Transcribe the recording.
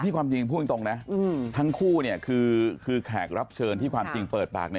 ความจริงพูดตรงนะทั้งคู่คือแขกรับเชิญที่ความจริงเปิดปาก